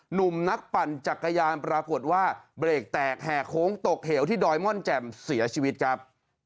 หนุ่มนักปั่นจักรยานปรากฏว่าเบรกแตกแห่โค้งตกเหวที่ดอยม่อนแจ่มเสียชีวิตครับ